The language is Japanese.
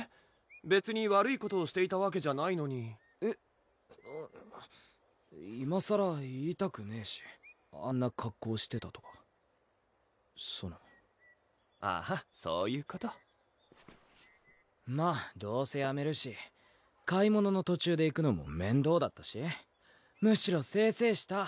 別に悪いことをしていたわけじゃないのにえっいまさら言いたくねぇしあんな格好してたとかそのあぁそういうことまぁどうせやめるし買い物の途中で行くのも面倒だったしむしろせいせいした！